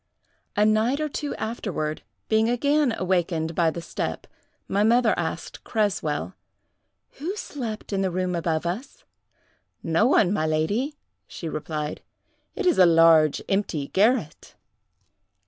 "A night or two afterward, being again awakened by the step, my mother asked Creswell, 'Who slept in the room above us?' 'No one, my lady,' she replied—'it is a large, empty garret.